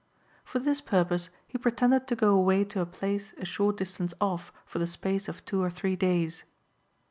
For this purpose he pretended to go away to a place a short distance off for the space of two or three days.